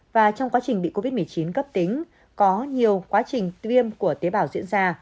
và trong quá trình bị covid một mươi chín cấp tính có nhiều quá trình tiêm của tế bào diễn ra